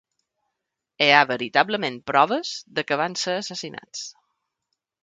Hi ha veritablement proves de que van ser assassinats.